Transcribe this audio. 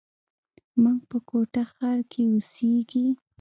موږ په کوټه ښار کښي اوسېږي.